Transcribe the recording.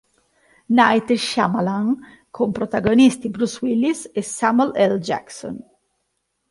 Night Shyamalan con protagonisti Bruce Willis e Samuel L. Jackson.